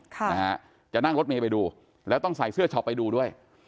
ค่ะนะฮะจะนั่งรถเมย์ไปดูแล้วต้องใส่เสื้อช็อปไปดูด้วย